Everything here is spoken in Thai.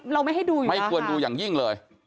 เราไม่ให้ดูอยู่แล้วไม่ควรดูอย่างยิ่งเลย